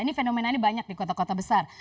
ini fenomena ini banyak di kota kota besar